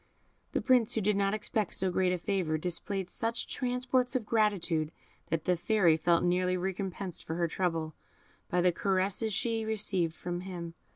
The Prince, who did not expect so great a favour, displayed such transports of gratitude that the Fairy felt nearly recompensed for her trouble by the caresses she received from him.